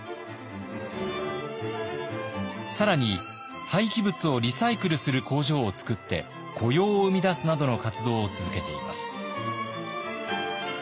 更に廃棄物をリサイクルする工場をつくって雇用を生み出すなどの活動を続けています。